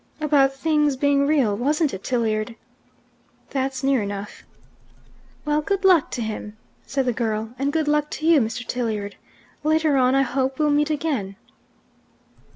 "About things being real, wasn't it, Tilliard?" "That's near enough." "Well, good luck to him!" said the girl. "And good luck to you, Mr. Tilliard! Later on, I hope, we'll meet again."